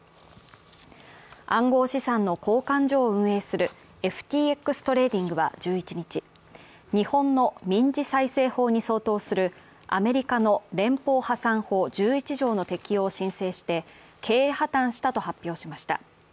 暗号資産の交換所を運営するＦＴＸトレーディングは１１日日本の民事再生法に相当するアメリカの連邦破産法１１条の適用を申請して、経営破綻したと発表しました。